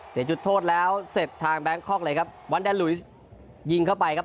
จุดโทษแล้วเสร็จทางแบงคอกเลยครับวันแดลุยสยิงเข้าไปครับ